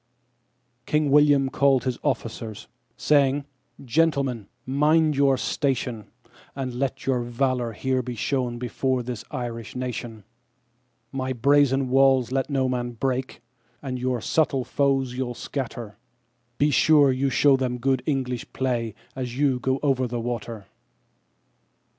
King William called his officers, saying: "Gentlemen, mind your station, And let your valour here be shown before this Irish nation; My brazen walls let no man break, and your subtle foes you'll scatter, Be sure you show them good English play as you go over the water."